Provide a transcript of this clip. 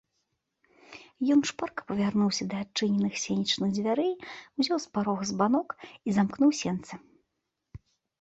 Ён шпарка павярнуўся да адчыненых сенечных дзвярэй, узяў з парога збанок і замкнуў сенцы.